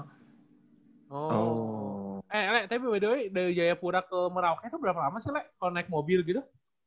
eh le tapi by the way dari jayapura ke merauke tuh berapa lama sih le kalau naik mobil gitu